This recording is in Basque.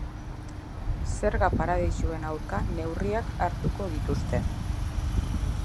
Zerga-paradisuen aurka neurriak hartuko dituzte.